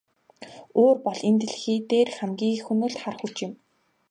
Уур бол энэ дэлхий дээрх хамгийн их хөнөөлт хар хүч юм.